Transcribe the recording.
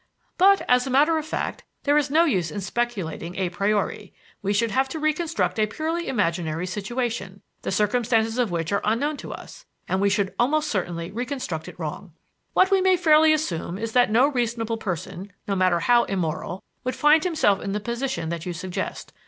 But, as a matter of fact, there is no use in speculating a priori; we should have to reconstruct a purely imaginary situation, the circumstances of which are unknown to us, and we should almost certainly reconstruct it wrong. What we may fairly assume is that no reasonable person, no matter how immoral, would find himself in the position that you suggest.